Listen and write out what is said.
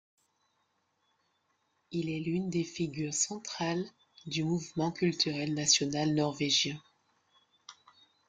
Il est l'une des figures centrales du mouvement culturel national norvégien.